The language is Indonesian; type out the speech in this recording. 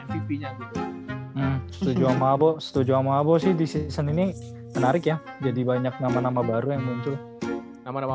setuju sama bo setuju sama bos di sini menarik ya jadi banyak nama nama baru yang muncul nama nama